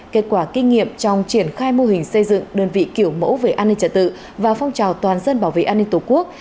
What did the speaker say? kết quả kinh nghiệm trong triển khai mô hình xây dựng đơn vị kiểu mẫu về an ninh trật tự và phong trào toàn dân bảo vệ an ninh tổ quốc